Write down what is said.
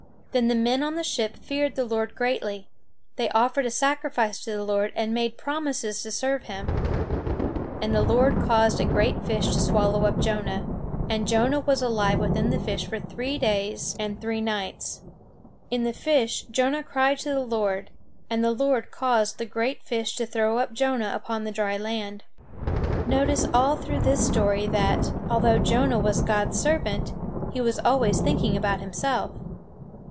Then the men on the ship feared the Lord greatly. They offered a sacrifice to the Lord, and made promises to serve him. And the Lord caused a great fish to swallow up Jonah; and Jonah was alive within the fish for three days and three nights. In the fish Jonah cried to the Lord; and the Lord caused the great fish to throw up Jonah upon the dry land. Notice all through this story that, although Jonah was God's servant, he was always thinking about himself.